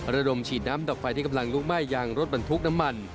ระดมฉีดน้ำดับไฟที่กำลังลุกไหม้ยางรถบรรทุกน้ำมัน